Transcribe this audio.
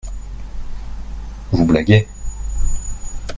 Vous blaguez ?